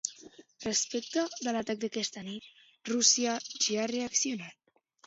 Respecte de l’atac d’aquesta nit, Rússia ja ha reaccionat.